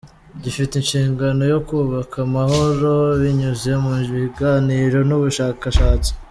Gifite inshingano yo kubaka amahoro binyuze mu biganiro n’ubushakashatsi.